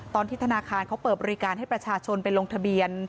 ตอนที่ธนาคารเขาเปิดบริการให้ประชาชนไปลงทะเบียน